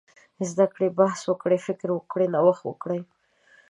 زده کړي، بحث وکړي، فکر وکړي، نوښت وکړي.